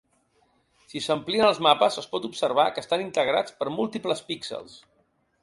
Si s’amplien els mapes es pot observar que estan integrats per múltiples píxels.